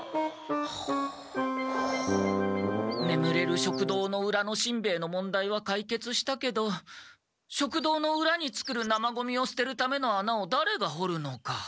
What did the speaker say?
ねむれる食堂のうらのしんべヱの問題はかいけつしたけど食堂のうらに作る生ゴミをすてるための穴をだれが掘るのか？